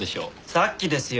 さっきですよ。